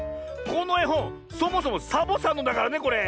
このえほんそもそもサボさんのだからねこれ。